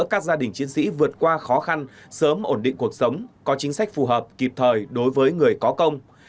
các gia đình chiến sĩ vượt qua khó khăn sớm ổn định cuộc sống có chính sách phù hợp kịp thời đối với người có công